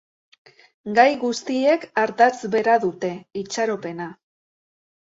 Gai guztiek ardatz bera dute: itxaropena.